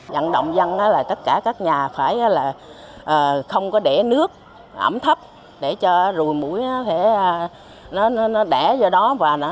nhận động dân là tất cả các nhà phải không có để nước ẩm thấp để cho rùi mũi đẻ vào đó và nó thình